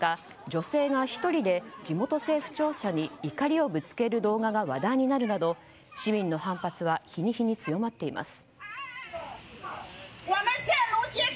女性が１人で地元政治庁舎に怒りをぶつける動画が話題になるなど市民の反発は日に日に強まっています。